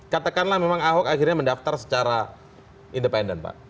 katakanlah memang ahok akhirnya mendaftar secara independen pak